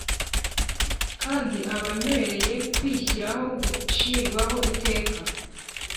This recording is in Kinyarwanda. kandi aba anywereye kwishyiraho gucirwaho iteka: